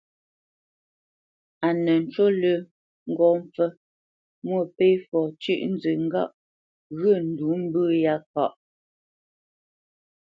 A nə ncú lə́ ŋgó mpfə́ Mwôpéfɔ cʉ́ʼnzə ŋgâʼ ghyə̂ ndǔ mbə̂ yá káʼ.